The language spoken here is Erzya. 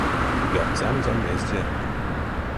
Ярсамс а мезде.